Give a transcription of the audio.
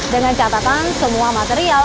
dengan catatan semua material